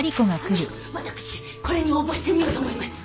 私これに応募してみようと思います。